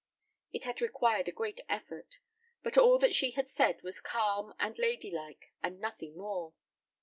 It had required a great effort; but all that she had said was calm and lady like and nothing more.